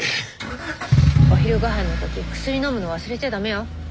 お昼ごはんの時薬のむの忘れちゃ駄目よ。